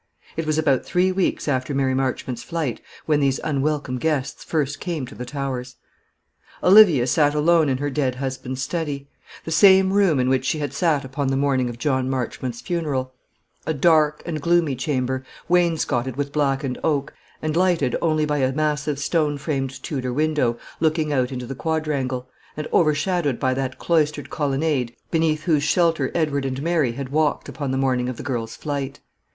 It was about three weeks after Mary Marchmont's flight when these unwelcome guests first came to the Towers. Olivia sat alone in her dead husband's study, the same room in which she had sat upon the morning of John Marchmont's funeral, a dark and gloomy chamber, wainscoted with blackened oak, and lighted only by a massive stone framed Tudor window looking out into the quadrangle, and overshadowed by that cloistered colonnade beneath whose shelter Edward and Mary had walked upon the morning of the girl's flight.